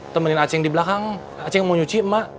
temenin aceh di belakang aceh mau nyuci mak